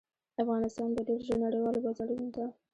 افغانستان به ډیر ژر نړیوالو بازارونو ته